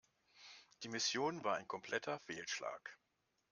Die Mission war ein kompletter Fehlschlag.